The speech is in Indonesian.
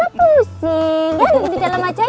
ya nunggu di dalam aja ya